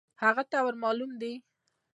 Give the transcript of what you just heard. هغه ته ور مالوم دی .